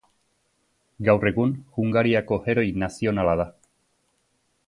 Gaur egun, Hungariako heroi nazionala da.